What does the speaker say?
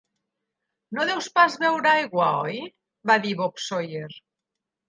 'No deus pas veure aigua, oi?' va dir Bob Sawyer.